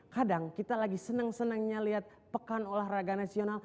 kadang kita lagi senang senangnya lihat pekan olahraga nasional